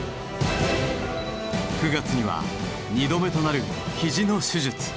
９月には２度目となるひじの手術。